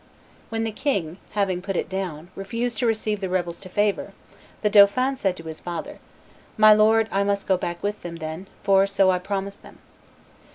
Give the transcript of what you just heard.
When the king, having put it down, refused to receive the rebels to favor, the dauphin said to his father, "My lord, I must go back with them, then; for so I promised them."